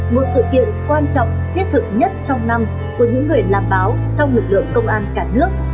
một sự kiện quan trọng thiết thực nhất trong năm của những người làm báo trong lực lượng công an cả nước